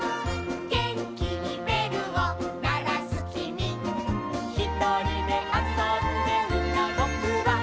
「げんきにべるをならすきみ」「ひとりであそんでいたぼくは」